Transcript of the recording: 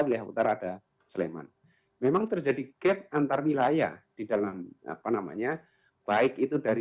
wilayah utara ada sleman memang terjadi gap antar wilayah di dalam apa namanya baik itu dari